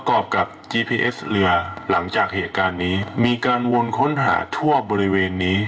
การวนค้นหาทั่วบริเวณนี้